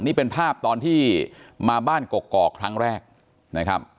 นี่เป็นภาพตอนที่มาบ้านกกอกครั้งแรกนะครับ